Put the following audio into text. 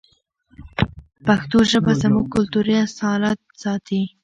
پښتو ژبه زموږ کلتوري اصالت ساتي.